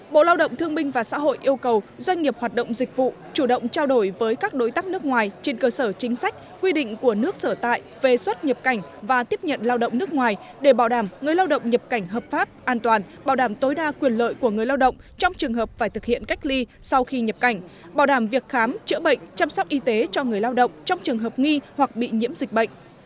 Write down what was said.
bộ lao động thương binh và xã hội yêu cầu doanh nghiệp hoạt động dịch vụ chủ động trao đổi với các đối tác nước ngoài trên cơ sở chính sách quy định của nước sở tại về xuất nhập cảnh và tiếp nhận lao động nước ngoài để bảo đảm người lao động nhập cảnh hợp pháp an toàn bảo đảm tối đa quyền lợi của người lao động trong trường hợp phải thực hiện cách ly sau khi nhập cảnh bảo đảm việc khám chữa bệnh chăm sóc y tế cho người lao động trong trường hợp nghi hoặc bị nhiễm dịch bệnh